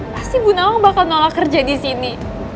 pasti bu nawa bakal nolak kerja di sini